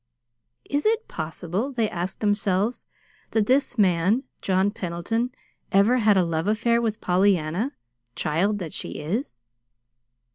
"Is it possible," they asked themselves, "that this man, John Pendleton, ever had a love affair with Pollyanna, child that she is?"